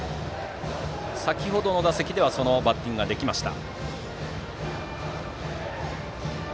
先程の打席ではそのバッティングができました。